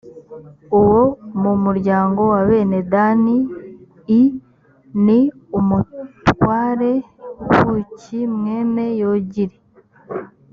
uwo mu muryango wa bene dani l ni umutware buki mwene yogili